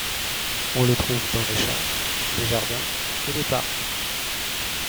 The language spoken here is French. On le trouve dans les champs, les jardins et les parcs.